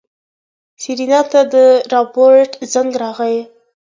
سېرېنا ته د رابرټ زنګ راغی.